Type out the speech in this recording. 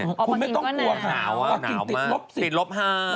อาการกริ่งติดลบ๑๐๕